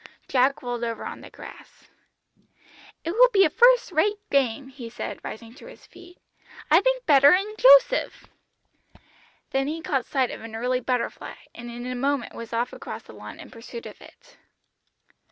Jack rolled over on the grass. "It will be a first rate game," he said, rising to his feet; "I think better than Joseph!" Then he caught sight of an early butterfly, and in a moment was off across the lawn in pursuit of it.